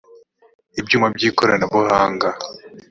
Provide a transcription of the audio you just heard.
ibyuma by’ ikoranabuhanga